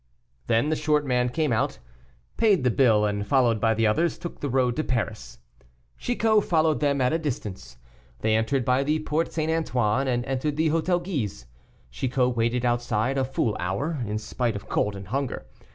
Then the short man came out, paid the bill, and, followed by the others, took the road to Paris. Chicot followed them at a distance. They entered by the Porte St. Antoine, and entered the Hôtel Guise. Chicot waited outside a full hour, in spite of cold and hunger.